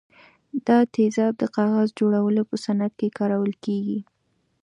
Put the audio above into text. دا تیزاب د کاغذ جوړولو په صنعت کې کارول کیږي.